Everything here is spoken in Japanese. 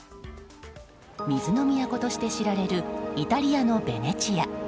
水の都として知られるイタリアのベネチア。